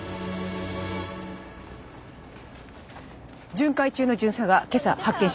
巡回中の巡査が今朝発見しました。